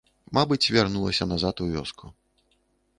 Мабыць, вярнулася назад у вёску.